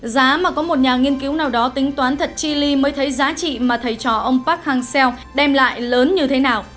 giá mà có một nhà nghiên cứu nào đó tính toán thật chi ly mới thấy giá trị mà thầy trò ông park hang seo đem lại lớn như thế nào